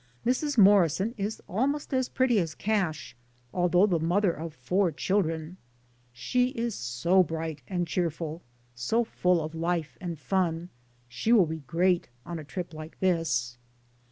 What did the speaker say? Mrs. Morrison is almost as pretty as Cash, although the mother of four children ; she is so bright and cheerful, so full of life and fun, she will be great on a trip lik*e this.